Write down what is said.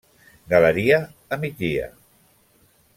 Galeria a migdia.